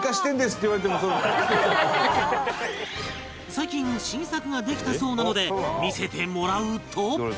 最近新作ができたそうなので見せてもらうと